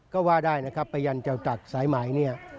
ก็ว่าได้นะครับไปยันเจ้าตักสายหมายเนี่ย